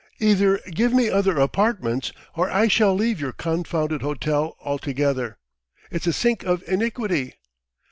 "Either give me other apartments, or I shall leave your confounded hotel altogether! It's a sink of iniquity!